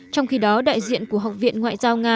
trong khi đó đại diện của học viện ngoại giao nga